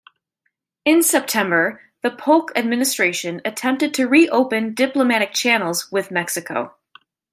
In September, the Polk Administration attempted to reopen diplomatic channels with Mexico.